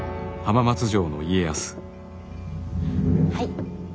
はい。